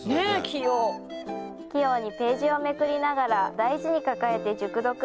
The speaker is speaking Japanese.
器用器用にページをめくりながら大事に抱えて熟読